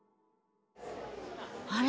あれ？